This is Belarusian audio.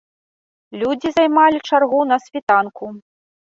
Людзі займалі чаргу на світанку.